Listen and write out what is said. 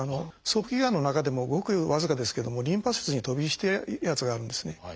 早期がんの中でもごく僅かですけどもリンパ節に飛び火してるやつがあるんですね。